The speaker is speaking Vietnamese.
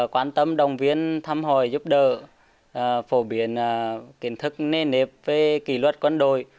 quan tâm đồng viên thăm hỏi giúp đỡ phổ biến kiến thức nền nếp về kỷ luật quân đội